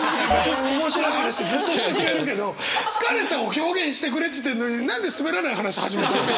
面白い話ずっとしてくれるけど疲れたを表現してくれって言ってんのに何ですべらない話始まってんの？